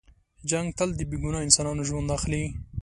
جنګ تل د بې ګناه انسانانو ژوند اخلي.